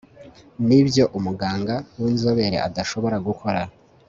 nibyo umuganga winzobere adashobora gukora